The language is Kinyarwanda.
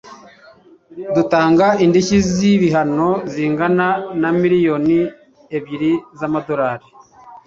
Dutanga indishyi z ibihano zingana na miliyoni ebyiri z'amadolari.